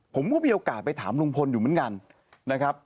ผมก็มีโอกาสไปถามลุงพลอยู่เหมือนกันนะครับ